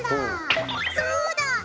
そうだ！